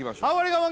我慢